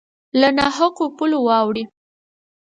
له نا حقو پولو واوړي